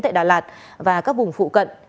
tại đà lạt và các vùng phụ cận